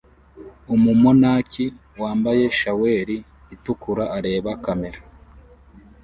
Umumonaki wambaye shaweli itukura areba kamera